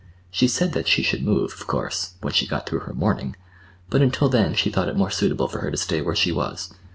She said that she should move, of course, when she got through her mourning, but, until then she thought it more suitable for her to stay where she was.